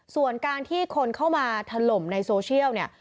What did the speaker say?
ส่วนการที่คนเข้ามาถล่มในโซเชียลเนี่ย